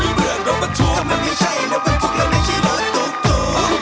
สีสันมันดูน่าสนุก